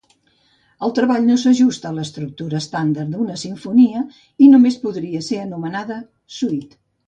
El treball no s'ajusta a l'estructura estàndard d'una simfonia, i només podria ser anomenada suite.